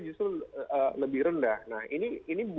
justru lebih rendah nah ini